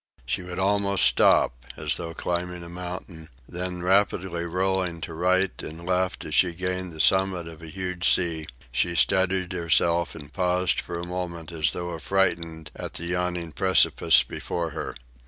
She would almost stop, as though climbing a mountain, then rapidly rolling to right and left as she gained the summit of a huge sea, she steadied herself and paused for a moment as though affrighted at the yawning precipice before her.